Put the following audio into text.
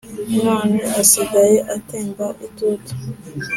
none asigaye atemba itutu